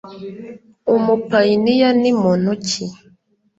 Umupayiniya ni muntu ki